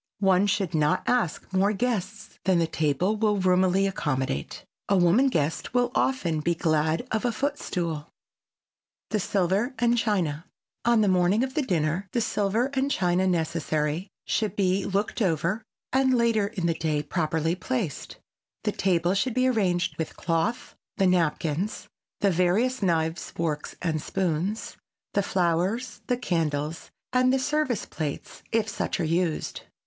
One should not ask more guests than the table will roomily accommodate. A woman guest will often be glad of a footstool. [Sidenote: THE SILVER AND CHINA] On the morning of the dinner the silver and china necessary should be looked over and later in the day properly placed. The table should be arranged with cloth, the napkins, the various knives, forks and spoons, the flowers, the candles, and the service plates, if such are used.